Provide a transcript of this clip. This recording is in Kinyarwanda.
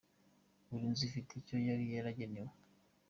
Buri nzu ifite icyo yari yaragenewe.